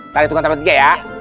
tarik tukang tapan tiga ya